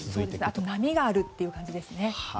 あと、波があるという感じですね。